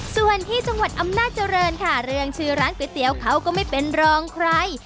ส่วนที่จังหวัดอำนาจริงค่ะเรื่องชื่อร้านก๋วยเตี๋ยวเขาก็ไม่เป็นรองใคร